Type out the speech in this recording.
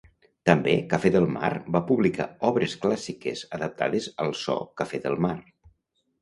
També Cafè del Mar va publicar obres clàssiques, adaptades al so Cafè del Mar.